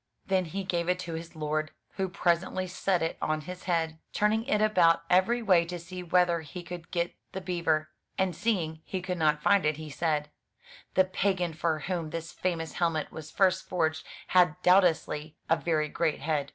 Then he gave it to his lord, who presently set it on his head, turning it about every way to see whether he could get the beaver. And seeing he could not find it, he said: "The pagan for whom this famous helmet was first forged had doubtlessly a very great head.